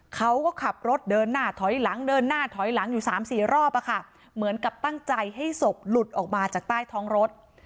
เขาก็ขับรถเดินหน้าถอยหลังเดินหน้าถอยหลังอยู่สามสี่รอบอะค่ะเหมือนกับตั้งใจให้ศพหลุดออกมาจากใต้ท้องรถ